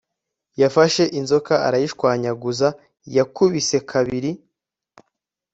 yafashe inzoka arayishwanyaguza. yakubise kabiri